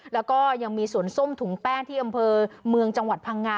แล้วก็ยังมีสวนส้มถุงแป้งที่อำเภอเมืองจังหวัดพังงา